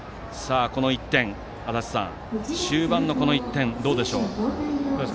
足達さん、終盤のこの１点どうでしょう。